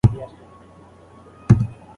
د خوب کیفیت د کاري فعالیت اغېزمنوي.